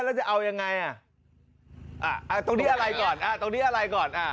แล้วจะเอายังไงอ่ะตรงนี้อะไรก่อนตรงนี้อะไรก่อน